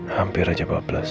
hampir aja empat belas